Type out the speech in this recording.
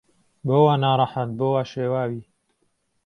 بۆ وا ناڕهحەت بۆ وا شێواوی